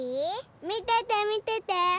みててみてて！